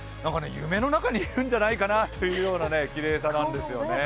夢の中にいるんじゃないかなというようなきれいさなんですよね。